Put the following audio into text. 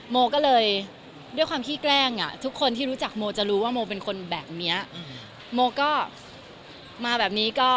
โมก็มาแบบนี้